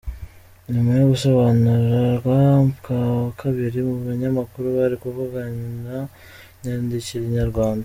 Nyuma yo gusobanurirwa bwa kabiri ko umunyamakuru bari kuvugana yandikira Inyarwanda.